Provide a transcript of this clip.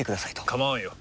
構わんよ。